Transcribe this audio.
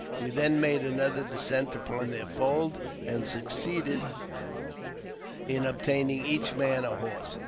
We then made another descent upon their fold, and succeeded in obtaining each man a horse.